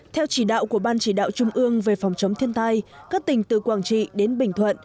theo chỉ đạo của ban chỉ đạo trung ương về phòng chống thiên tai các tỉnh từ quảng trị đến bình thuận